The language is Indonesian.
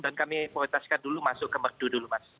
dan kami prioritaskan dulu masuk ke merdu dulu mas